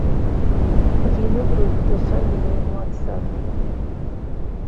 Vi no grupo da família no WhatsApp